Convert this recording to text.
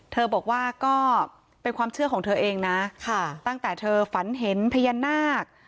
เธอบอกว่าก็เป็นความเชื่อของเธอเองนะตั้งแต่เธอฝันเห็นพญานาค